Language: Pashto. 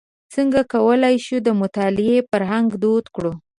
څنګه کولای شو د مطالعې فرهنګ دود کړو.